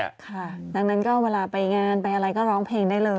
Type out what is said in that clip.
ค่ะดังนั้นก็เวลาไปงานไปอะไรก็ร้องเพลงได้เลย